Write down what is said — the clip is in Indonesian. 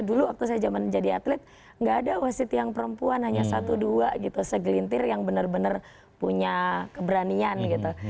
dulu waktu saya zaman jadi atlet nggak ada wasit yang perempuan hanya satu dua gitu segelintir yang benar benar punya keberanian gitu